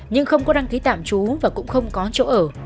nhưng không có đăng ký tạm trú và cũng không có chỗ ở